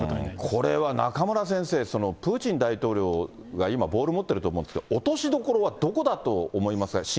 これは中村先生、プーチン大統領が今、ボール持ってると思うんですけど、落としどころはどこだと思いますか？